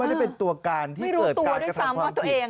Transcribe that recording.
ได้เป็นตัวการที่เกิดการกระทำความผิด